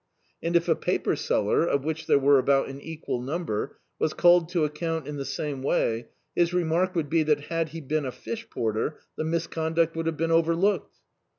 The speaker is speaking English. And if a paper seller — of which there were about an equal number — was called to account in the same way, his remark would be that had he been a fish porter the mis conduct would have been overlooked.